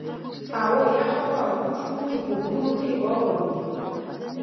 هوا یخه وه او پوه شوم چې په غرونو کې واوره وورې.